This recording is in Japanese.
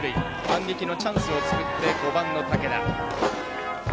反撃のチャンスを作って５番の武田。